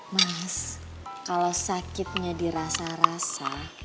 mas kalau sakitnya dirasa rasa